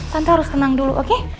tante harus tenang dulu oke